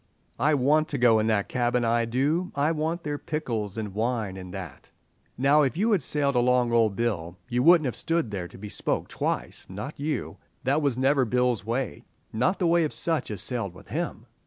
"I want to go in that cabin, I do; I want their pickles and wine and that." "Now, if you had sailed along o' Bill you wouldn't have stood there to be spoke twice—not you. That was never Bill's way, not the way of sich as sailed with him."